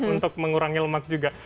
untuk mengurangi lemak juga